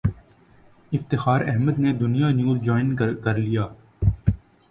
افتخار احمد نے Dunya news join کر لیا